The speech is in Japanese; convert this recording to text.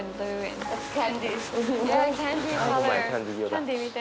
キャンディー色だ。